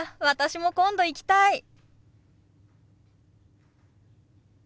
私も今度行きたい！